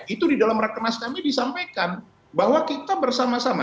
itu di dalam rakenas kami disampaikan bahwa kita bersama sama